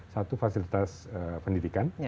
satu fasilitas pendidikan